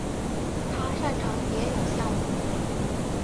他擅长蝶泳项目。